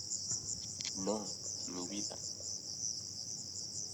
no, mi vida.